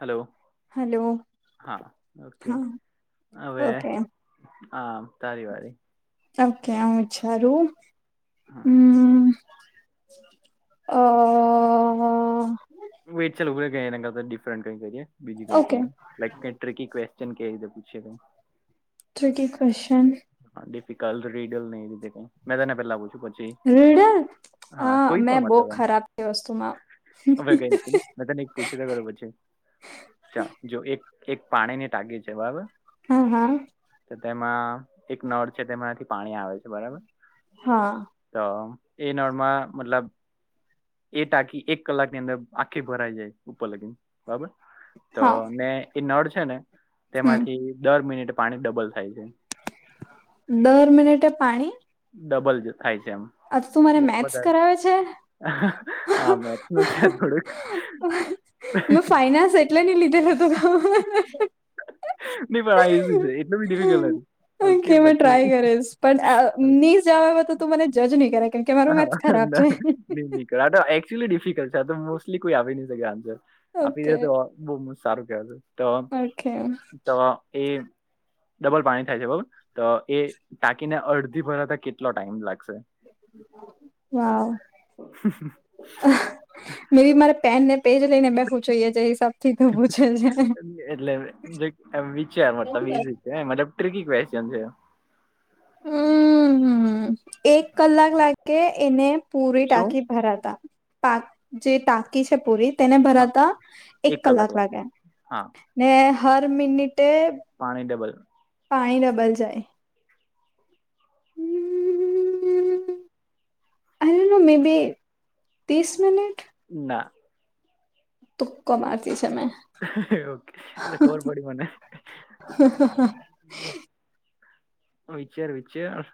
Hello. Hello હા okay હા હવે ઓકે હા તારી વાળ ઓકે અ વિચાર હા હમ હહ વેટ ચલુ એના કરતા ડિફેટ કઈ કરીએ બીજી કોઈ કે ઓકે એમ. લાઈક ક ટ્રિકકી ક્વેશ્ચન કે રીતે પૂછે. Tricky question. હા ડિફિકલ્ટ રીડલ નઈ તે કઈ મેં તને પેલા પૂછું પછ. રીડર. હા મેં પણ બહુ મતલબ ખરાબ છે વસ્તુમાં. એમ હવે કઈ ચાલ જો એક એક પાણી ને ટાકી છે બરાબર. હા હા. તો તેમાં એક નળ છે તેમાંથી પાણી આવે છે બરાબર. હા તો એ નળ માં મતલબ. એ ટાકી એક કલાક ની અંદર આખી ભરાઈ જાય ઉપર લગીને બરાબર તો હા મે. એ નળ છે ને હમ તેમાંથી દર મિનિટ પાણી ડબલ થાય છે. દર મિનિટે પાણી ડબલ જ થાય છે એમ. આજ તું મારે મેથ્સ વધારે કરાવે છે. હા મેથ્સ નું છે થોડુંક. મેં ફાઈનાન્સ એટલે નહી લીધે હતું. નહી પણ આ છે એટલું બી ડિફિકલ્ટ નથી ઓકે પછી. ઇ જવા તો તું મને જજ નહી કરે કેમકે મારું મેથસ ખરાબ છે. ગારાટા ચુઅલી ડિફિકલ્ટ છે તો મોસ્ટલી કોઈ આવી નહી શકે આન્સર આપી ઓકે દે તો. બહુ બ સારું કેવા છે તો ઓકે તો એ. ડબલ પાણી થાય છે બરોબર તો એ ટાકીને અડધી ભરાતા કેટલો ટાઈમ લાગશે. વા. . [unintelligible] મેં બી મારે પેન ને પેજ લઈને બેઠવું જોઈએ જે હિસાબ. એટલે એમ વિચાર મતલબ એજ. કે મતલબ ટ્રિકી ક્વેશ્ચન છે. હમ એક કલાક લાગે એને. પૂરી શું ટાંકી ભરાતા પા જે ટાંકી છે પૂરી. તેને હા, ભરાતા એક કલાક લાગે હા ને હર મિનિટે. પાણી ડબલ. પાણી ડબલ જાય. . [unintelligible] આ યુ ને મે બે બી ત્રીસ મિનિટ. ના. તુક્કો મારતી છે મેં. ઓકે એ ખબર પડી મને. હ વિચાર વિચાર.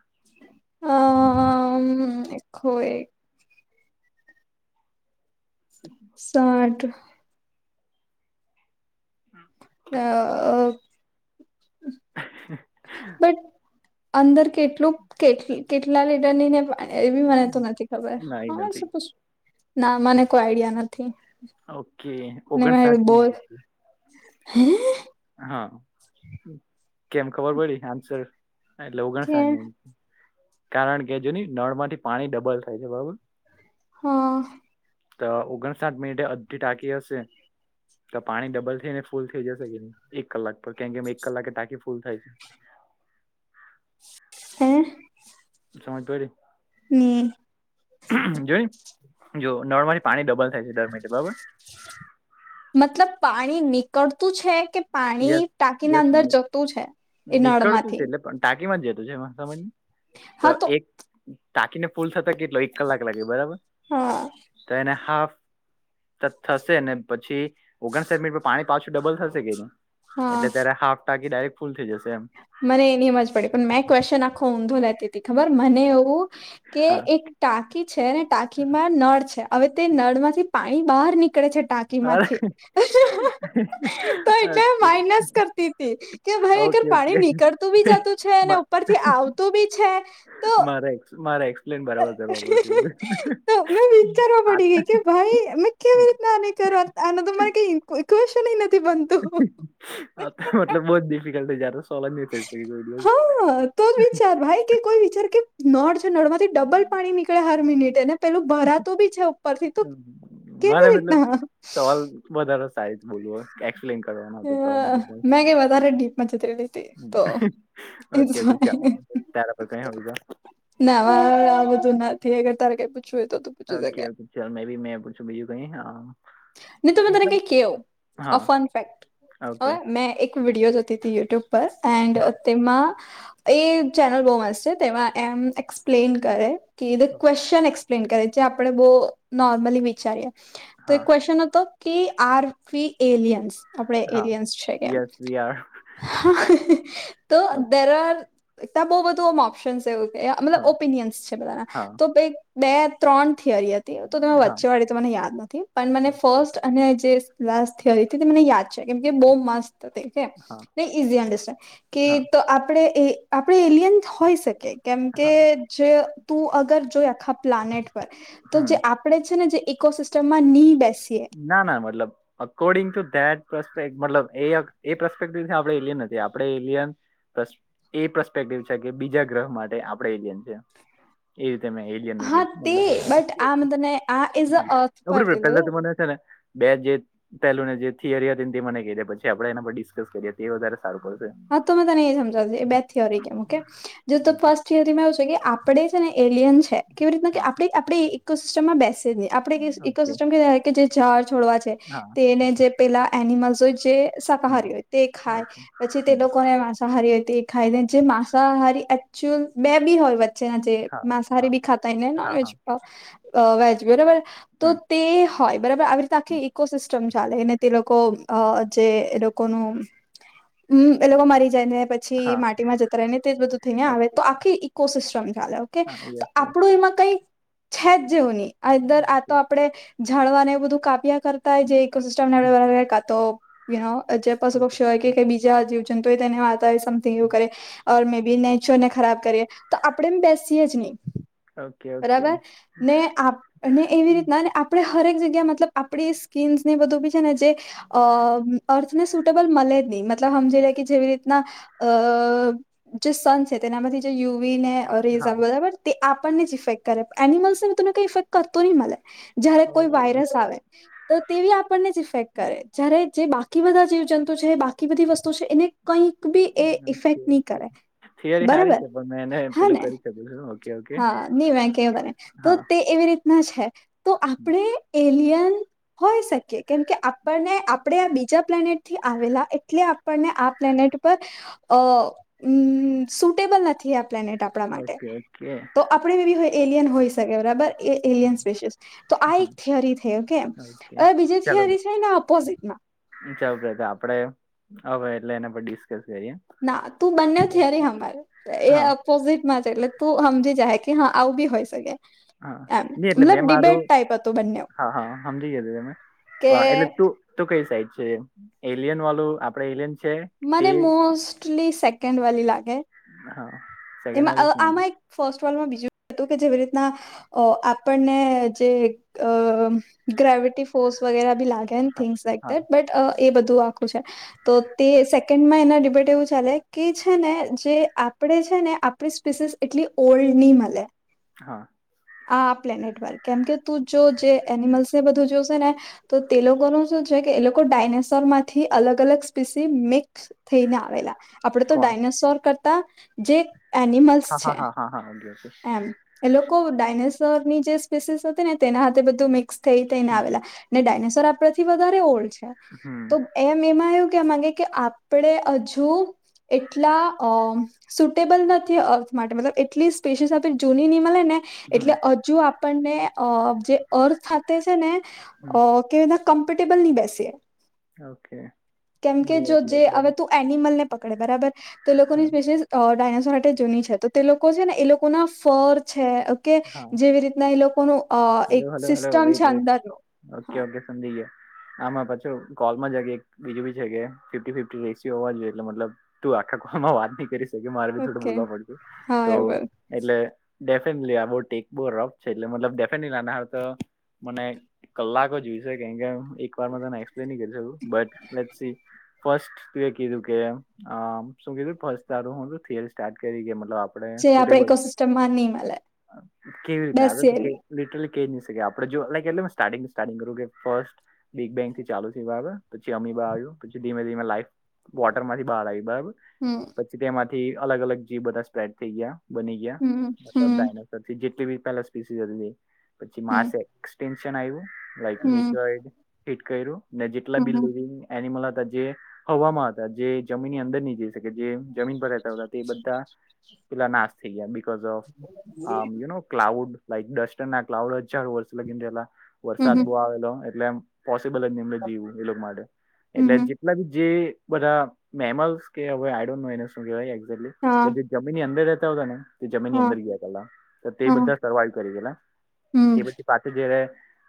હ. [unintelligible] સાઠ. અ અ. હ. બટ અંદર કેટલું કે કેટલા લીટર ની ને. એ બી મને તો નથી ખબર ના એ હા નથી શ ના મને કોઈ આઈડિયા નથી. ઓકે ઓગણસાઠ. હમ. હા કેમ ખબર પડી આન્સર. એટલે કે ઓગણસાઠ મિ કારણ કે જોની નળ માંથી પાણી ડબલ થાય છે બરોબર. હા. તો ઓગણસાઠ મિનિટે અડધી ટાંકી હશે. તો પાણી ડબલ થઈને ફૂલ થઈ જશે કે નહી એક કલાક પર કેમ કે એક કલાકે ટાંકી ફૂલ થાય છે. હે સમજ પયડી ની. જોઈ જો નળમાંથી પાણી ડબલ થાય છે દર મિનટ બરોબર. મતલબ પાણી નીકળતું છે કે. પાણી યસ ટાંકીના યસ અંદર જતું છે એ નળમાંથી. ટાકીમાથી જ જતું છે એમ સમાજ ને ત હા તો એક ટાકીને ફૂલ થતા કેટલો એક કલાક લાગે બરાબર હા તો એને હાફ. ત થશે ને પછી ઓગણસાઠ મિનિટ પાણી પાછું ડબલ થશે કે ની હા એટલે ત્યારે હાફ ટાકી ડાયરેક્ટ ફૂલ થઈ જશે એમ મને એની હમજ પડી પણ મેં ક્વેશ્ચન આખો ઊંધો લેતી હતી ખબર મને એવું કે હા એક. ટાંકી છે ને ટાંકી માં નળ છે હવે તે નળમાંથી પાણી બહાર નીકળે છે ટાંકી. કે માં અરે થી તો એટલે માઇનસ કરતી કે ભાઈ અગર ઓકે પા ઓકે પાણી નીકળતું બી ઓકે જતું છે અને મા- ઉપરથી આવતું બી છે તો. મારેક્સ. ન બરાબર કરવા પડત બધ. તો મેં વિચારવા ના ને કરોત એનો તો મને કઈ કેઇવેશન ન આ તો મતલબ બહુ જ ડિફિકલ્ટ થઇ જતું સોલા [unintelligible] દિવસ હા, તો જ વિચાર ભાઈ કે કોઈ વિચાર કે નડ છે નડ માં થી ડબલ પાણી નીકળે હર મિનિટેને પેલું ભરાતો બી છે ઉપર થી તો કેવી મારે મતલબ રીતના સવાલ વધારે સારી જ બોલવ હોય એક્સપ્લેન કરવાનો મતલબ મજતલી હતી હમ. તો એ ઓકે ઓકે ચાલ તારા પર કઈ હોય તો. ના હ આ બધું નથી અગર તારે કઈ પૂછવું હોય તો તું પૂછી ઓકે શકે ઓ ચલ મે બી મેં પૂછું બીજું કઈ હા ન તમે તને મતલબ ક કેવ આ હા ફન ફેક્ટ ઓ ઓકે મેં એક વિડિયો જોતી હત યુટ્યુબ પર એન્ડ હા તેમાં એ ચેનલ બહુ મસ્ત છે તેમાં એમ એક્સપ્લેન કરે કે ધ ક્વેશ્ચન એક્સ પ્લેન કરી જે આપણે બહુ નોર્મલી વિચારીએ તો એક હા ક્વેશ્ચન હતો કે આરફી એલિયન્સ આપડે હા એલિયન્સ છે કેમ યસ વી આર તો હા દરોર ત્યા બહુ બધું ઓપ્શનસ છે એવું મતલબ હા ઓપિનિયન્સ છે બધાના હા તો બે ત્રણ થિયરી હતી તો તમે વચ્ચે વાળી તો મને યાદ નથી પણ મને ઓકે ફર્સ્ટ અને જે લાસ થિયરી હતી તે મને યાદ છે કેમ કે બહુ મસ્ત હતી કે હા ન ઈઝી અન્ડરસ્ટાન્ડ કે હા તો આપે એ આપે એલિયન હોય શકે કેમકે હા જે તું અગર જોઈ આખા પ્લાનેટ પર તો હમ જે આ પડે છે ને જે ઇકોસિસ્ટમમાં ની બેસીએ ના ના મતલબ અકોર્ડિંગ ટુ ધેટપેક મતલબપેક્ટિવ આપડે એલિયન આપડે એલિયન એ પરસ્પેક્ટિવ છે કે બીજા ગ્રહ માટે આપડે એલિયન છે એ રીતે મે એલી ન હા તે ગીુંબ બટ આ મેં તને આ ઇઝ અ અર્થ હ પર પ લીધું તોને ને બે જે પહેલુંને જે થિયરી હતી તે મને કહીધે પછી આપણેે એના પર ડિસ્કસ કરીએ તે વધારે સારું કરશે હા તો મેં તને એ સમજાવ એ બે થિયોરી કેમ જો તો ઓકે ફર્સ્ટ જેથીમાં એવું છે કે આપડે છે ને એલિયન છે કેવી રીતના કે હા આપડે આપડી ઇકોસિસ્ટમમાં બેસ્ટ સે જ ની આપડે ઓકે ઇકોસિસ્ટમ ક કે જે ઝાર છોડવા છે હા તેને જે પેલા એનિમલ્સ જે હમ શાકાહારી હોય તે ઓકે ખાય પછી તે હમ લોકોને માંસાહારી હોય હતી એ ખાઈ દે જે માંસાહારી એકચુઅ બે બી હોય ના જે હા માંસાહારી હા ભી ખાતા ને નોન હા વેજ હા વેજ બરોબર તો હમ તે હોય બરાબર આવી રીતે હમ આખી ઇકોસિસ્ટ સ ચાલેને તે લોકો અ જે એ લોકોનું હમ એ લોકો મારી જાય ને પછી હા માટીમાં જતા રહેય ને તે જ બધું થઈ ને આવે ઓકે તો આખી કોસિસ્ટ્રમ ચાલે ઓકે હા યસ યસ આપણું એમાં કઈ છે જ જેવું નહી આ અંદર ઓકે આતો આપડે જાણવાને બધું કાપ્યા કરતા જે ઇકોસિસ્ટમ હમ કા જે પશુ ઓકે પક્ષી હોય કે બી જીવ છે તો એ તેને વાર્તા સમથિંગ એવું કરે ઓર મે બી નેચો ને ખરાબ કરીએ તો આપણેે બેસીએ જ નહી ઓકે ઓકે બરાબર ને આપ એવી રીતના ને આપ આપણે હરેક જગ્યાએ મતલબ આપણી સ્કીન્સને બધું બી છે ને જે અ અર્થ ને સુટેબલ મળે જ નહી મ સમજી લે કે જેવી રીતના અ જે સન છે તેનામાંથી જે યુવીને હા ઓ બરાબર તે આપણને જ ફેક્ટ કરે એનિમલ્સ નને મ તને કઈઇફેક્ટ કરતોો ન મને જયારે કોઈ વાયરસ આવે તો તેવી આપણને જ ઇફેક્ટ કરે જયારે જે બાકી બધા જીવજંતુ છે બાકી બધી વસ્તુ છે એને કંઈક બી એ ઓકે ઇફેક્ટ નહી ઓકે કરે થિયરી સારી બરાબર છે પણ મેં એને હા પેલું ને કરી શકું છું ઓકે ઓકે હા નહી મે કેવું બને તો હા તે એવી રીતે ના છે તો આપણે એલિયન હોય શકે કેમકે આપણને આપણે આ બીજા પ્લાનેટ થી આવેલા એટલે આપણને આ પ્લેનેટ પર સુટેબલ નથી આપ પ્નેટ આપણા માટે ઓકે ઓકે તો આપણે બી બી હો એલિયન હોઈ શકે બરાબર હા એલિયન સ્પસીિસ. તો આ હા એક થિયોરી થઈ ઓકે. ઓકે એ બીજી થિયરી છે ને ઓપોઝિટ માં ચૌ પ્ર આપડે હવે એટલે એના પર ડિસ્કસ કરીએ. ના તું બંને થયરિ હાંબડ એ હા [unintelligible] [unintelligible] તું સમજી જા કે હા આવું બી હોઈ શકે હા એમ નઈ એટલે મતલબ મેં ડિબેટ મારું ટાઈપ હતું બંને હા હા સમજી ગયું તમે કે પણ એટલે તું તું કઈ સાઈડ છે એલિયન વાળું આપડે એલિયન છે? તે મને મોસ્ટલી સેકન્ડ વાલુ લાગે. હા. સેકન્ડ વાળું એમાં શું હતું આમાં એક ફર્સ્ટ વોલમાં બીજું હતું કે જેવી રીતના અ આપણને જે અ ગ્રેવિટી ફોર્સ વગેરે બી લાગે ને હા થિંગ્સ લાઈક હા દેટ બટ એ બધું આખું છે. તો તે સેકન્ડમાં એના ડિબેટ એવું ચાલે કે છે ને જે આપણે છેને આપણી સ્પીસીસ એટલી ઓલ્ડ નહી મળે. હા. આ પ્લેનેટ વર્ક કેમકે તું જો જે એનિમલ્સને બધું જોશે ને તો તે લોકો ન શું છે કે એ લોકો ડાયનેસોરમાંથી અલગ અલગ સ્પીસી મિક્સ થઈને આવેલા. આપણે તો કોણ ડાયનાસોર કરતા જે એનિમલ હા હા હા હા [inaudible] છે. એમ એ લોકો ડાયનેસોર ની જે સ્પેસીસ હતી ને તેના હાથે બધું મે થઈને હમ આવેલા ને ડાયનેસોર આપડેથી વધારે ઓલ્ડ છે. તો હમ. એમ એમાં એવું કે માંગે કે આપણે હજુ એટલા અ સુટેબલ નથી અર્થ માટે મતલબ એટલીસ્ટ સ્સ આપ જૂની મળે ને હમ એટલે હજુ આપણને જે અર્થ છે ને હમ કે કમ્ફર્ટેબલ નહી બેસી. ઓકે બો એટલે એકદમ એનિમલ ને પકડે બરાબર તે હા લોકોની સ્પેશિસ ડાયનાસોર માટે જૂની છે તો તે લોકો છે ને એ લોકો ના ફર છે ઓકે હા જેવી રીતના એ લોકોનું અ હલો એક હલો હલો સિસ્ટમ વેઇટ છે વેઇટ અંદરનો ઓકે ઓકે સંધ્યા આમાં પાછો કોલમાં જ એક બીજું બી છે કે ફિફ્ટી ફિફી રેસી હોવા જોઈએ એટલે મતલબ તું આખા કોમાં વાત નહી કરી શકે મારે બી થોડું ઓકે બોલવા પડતું તો હા એ એટલે ડેફિનેલી આ બોટ એક બો રોક છે એટલે મતલબ લનાર તો મને કલાકો જોયશે કેમ કે એક વાર ન કરી શક બટ લેટ્સ સી. ફર્સ્ટ ત કીધું કે શું કીધું ફ તારું હું થિયરી સ્ટાર્ટ કરી ગ મતલબ આપણે જે આપડે સુટેબલ ઇકોસિસ્ટમમાં નહી મળે કેવી રીતના આગળ તો કે દસની લિટરલી કહી નહી શકે આપડ જો લાઈક એટલે સ્ટાર્ટિંગ સ્ટાર્ટિંગ કરું કે ફર્સ્ટ બિગ બેંગ થી ચાલુ છે બરાબર પછી અમીબા આવ્યું પછી ધીમે ધીમે લાઈફ વોટર માંથી બહાર આવી બરાબર હમ પછી તેમાંથી અલગ અલગ જીવ બધા સ્પ્રેડ થઈ ગયા બની ગયા હમ મતલબ હમ ડાયનાસોર જેટલી બી પેલા સ્પીસી હતી. પછી માસ હમ એક્સટેન્શન આવ્યું લક હમ મીટડ હિટ કર્યું. ને જેટલા બી હમ લિવિંગ એનિમલ હતા જે હવામાં હતા જે જમીનની અંદર નહી જઈ શકે જે જમીન પર રહેતા હતા તે એ બધા. પેલા નાશ થઈ ગયા because of you know cloud like dust [unintelligible] વર્ષ લગીલા વરસાદ હમ બહુ આવેલો એટલે પોસિબલ એમને જવું એ લોકો માટે એટલે હમ જેટલા બી જે બધા મેમલ્સ કે હવે આડ એને શું કેહેવાય એેલી હા બધી જમીનની અંદર રહેતા હોતાને તે જમીનની હા અંદર ગયા પેલા તે હા બધા સર્વાઈવ કરી ગેલા. હમ તે પછી પાછ જયારે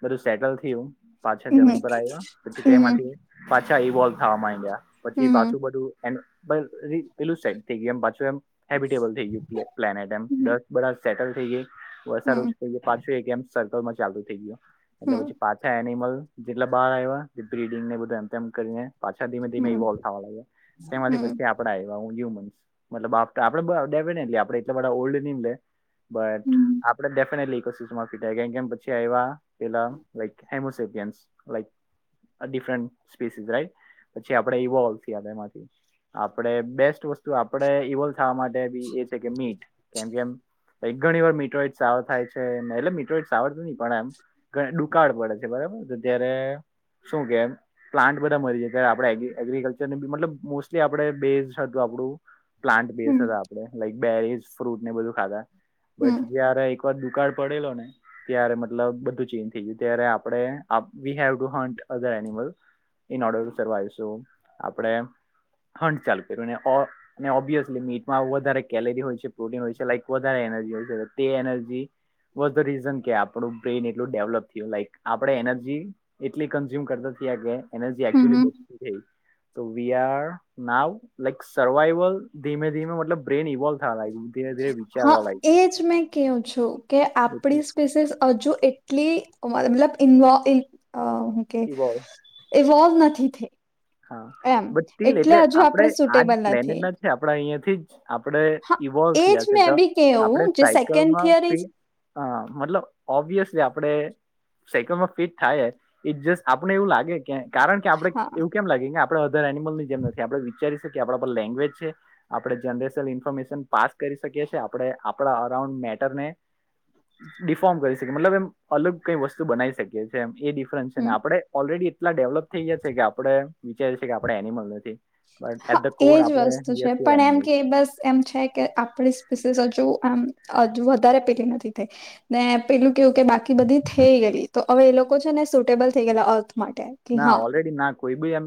બધું સેટલ થયું પાછળ હમ હમ જમીન પર આવ્યા પછી હમ તેમાંથી પાછા ઇવોલ્ થવા માંડ્યા પછી હમ પાછું બધું એ પેલું સાઈડ થઈ ગયું એમ પાછું એમ હેબિટેબલ થઈ ગયું પ્લે પ્લેનેટ એમ હમ દસ બ સેટલ થઈ ગઈ વરસાડોજ હમ થઈ ગ પાછું એક એમ સર્કલ માં ચાલુ થઈ ગયો. એટલે હમ પછી પાછા એનિમલ જેટલા બહાર આવ્યા બિડિંગને બધું એમ તેમ કરીને પાછા ધીમે ધીમે હમ ઇવોલ્ થવા લાગ્યા તેમાંથી આપ ડેફનેટલી આપણે એટલા બધા ઓલ્ડ ની મલે. બટ હમ આપડે ડેફિનેટલી [unintelligible] ડિફરન્ટ સ્પીસીસ રાઈટ પછી આપણેે ઇવોલ્વ થ એમાંથી. આપડે બેસ્ટ વસ્તુ આપડે ઇવોલ થવા માટે એ છે કે મીટ કેમ કેમ એક ઘણી વાર મીટ સવો થાય છે. એટલે મીટોઈટસ આવડતું નહ પણ આમ ડુકાળ પડે છે બરાબર ત્યારે શું કેમ? પ્લાન્ટ બધા મરી જાય ત્યારે આપણે એગ્રિકલ્ચરનું બ મતલબ મોસ્ટલી આપણે બેઝડ હતું આપણું પ્લાન્ટ બેસ હતા આપડે લાઈક બેરીઝ ફ્રૂટ ને બધું ખાતાા હમ બટ જયારે એકવાર કાર પડેલો ને ત્યારે મતલબ બધું ચેન્જ થઈ ગયું ત્યારે આપણે we have to hunt other animal in ઓર્ડરવા આવીશું આપડે હંડ ચાલુ કર્યું‌. અને ઓબ્વિયસલી મીટમાં વધારે કેલરી હોય છે. પ્રોટીન હોય છે. લઇક વધારે એનર્જી હોય છે તે એનર્જી વોઝ ધ રીઝન કે આપણું બ્રેઇન એટલું ડેવલપ થીય લાઈક આપણે એનર્જી એટલી કન્ઝ્યુમ કરતા થીયા કે એનજી એકચુલી હમ બચતી થેય તો we are now like survival ધીમે ધીમે મતલબ બ્રેન ઇવોલ્ હા ધીરે ધીરે હા વિચારવા લાગ છે. એજ મેં કેવું છું કે આપડી સ્પેસીસ હજુ એટલી મતલબ ઇન્વોલ્ ઇકે ઇવોલ્વ [unintelligible] નથી થે હા બટ ટીલ એટલે આપણે આજ સુટેબલ પ્લેનેટ નથી ના છે, આપડા અહિયાંથી જ આપડે હા ઈવોલ્વ એજ થયા છે, તો મેં બી આપણે કેવું જે સેકન્ડ સાયકલમાં થિયરી હ મતલબ ઓબ્વિયસલી આપડે સાયકલમાં ફિટ થાયે ઇટ જસ આપને એવું લાગે કે કારણ કે આપડે હા કેમ લાગે કે આપણે અધર એનિમલની જેમ નથી આપણે વિચારી શકીએ આપણા લેંગ્વેજ છે. આપણે જનરેશલ ઇન્ફોર્મેશન પાસ કરી શકીએ છે, આપણે આપણા અરાઉન્ડ મેટરને ડિફોર્મ કરી શકે મતલબ એમ અલગ કઈ વસ્તુ બનાવી શકીએ એ ડિફરન્સ છે, હમ ને આપણે ઓલરેડી એટલા ડેવલપ થઈ ગયા છે, કે આપણે વિચારીએ છીએ કે આપણે એનિમલ નથી. બટ હા એટ ધ કોર એજ આપડે વસ્તુ છે [unintelligible] પણ એમ કે બસ એમ છે, કે આપણી સ્પીસીસ હજુ આમ વધારે પેલી નથી થઈ ને પેલું કેવું કે બાકી બધી થેય ગેલી તો હવે એ લોકો છે, ને સુટેબલ થઈ ગેલા અર્થ માટે કે ના હા ઓલરેડીના કોઈ બી એમ